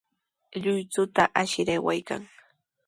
Lluychuta ashir aywaykan.